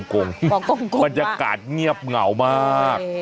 บอกกงมากบรรยากาศเงียบเหงามาก